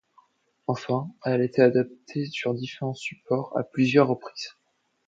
Enfin, elle a été adaptée sur différents supports à plusieurs reprises.